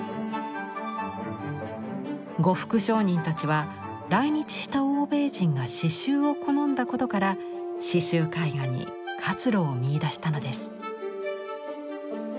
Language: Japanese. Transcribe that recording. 呉服商人たちは来日した欧米人が刺繍を好んだことから刺繍絵画に活路を見いだしたのです。